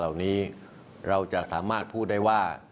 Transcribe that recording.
วันนี้นั้นผมจะมาพูดคุยกับทุกท่าน